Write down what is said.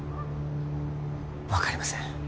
分かりません